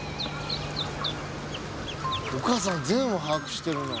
お母さん全羽把握してるな。